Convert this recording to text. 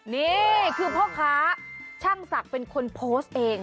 นี่คือพ่อค้าช่างศักดิ์เป็นคนโพสต์เอง